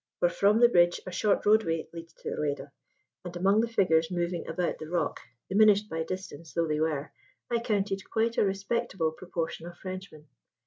For from the bridge a short roadway leads to Rueda; and among the figures moving about the rock, diminished by distance though they were, I counted quite a respectable proportion of Frenchmen.